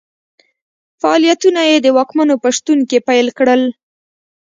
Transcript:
فعالیتونه یې د واکمنو په شتون کې پیل کړل.